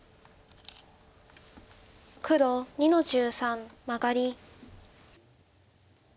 黒２の十三マガリ。